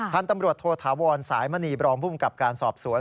ท่านตำรวจโทษธาวรสายมณีบรองผู้กำกับการสอบสวน